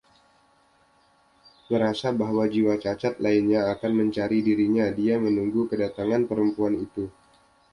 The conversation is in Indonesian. Merasa bahwa jiwa cacat lainnya akan mencari dirinya, dia menunggu kedatangan perempuan itu.